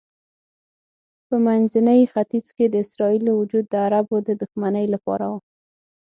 په منځني ختیځ کې د اسرائیلو وجود د عربو د دښمنۍ لپاره و.